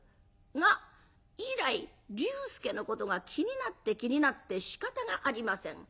が以来龍介のことが気になって気になってしかたがありません。